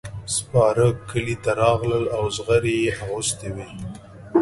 سپاره کلي ته راغلل او زغرې یې اغوستې وې.